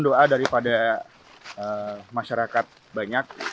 jugaan ada misalkan keperluan